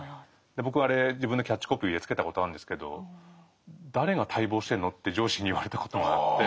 僕はあれ自分でキャッチコピーつけたことあるんですけど「誰が待望してるの？」って上司に言われたことがあって。